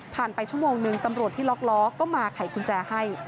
ผ่านไปชั่วโมงหนึ่งตำรวจที่ล็อกก็มาไข่กุญแจให้